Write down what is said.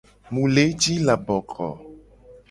Mu le ji laboko.